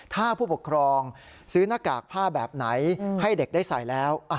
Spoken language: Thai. ถ้าผู้ปกครองซื้อหน้ากากผ้าแบบไหนให้เด็กได้ใส่แล้ว